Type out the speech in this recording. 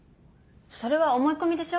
それは思い込みでしょ？